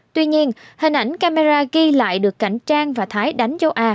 tuy nhiên hình ảnh camera ghi lại được cảnh trang và thái đánh dấu a